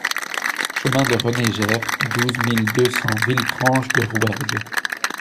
Chemin de René Jayr, douze mille deux cents Villefranche-de-Rouergue